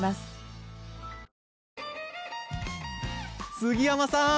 杉山さん！